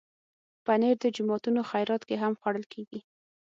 پنېر د جوماتونو خیرات کې هم خوړل کېږي.